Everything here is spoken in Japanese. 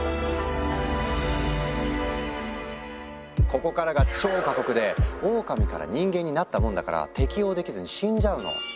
ここからが超過酷でオオカミから人間になったもんだから適応できずに死んじゃうの。